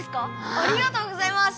ありがとうございます！